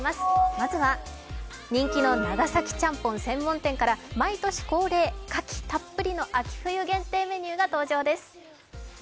まずは、人気の長崎ちゃんぽん専門店から、毎年恒例、牡蠣たっぷりの秋冬限定メニューが登場です。